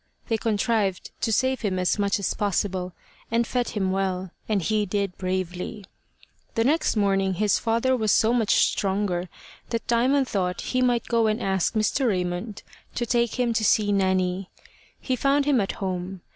They contrived to save him as much as possible, and fed him well, and he did bravely. The next morning his father was so much stronger that Diamond thought he might go and ask Mr. Raymond to take him to see Nanny. He found him at home.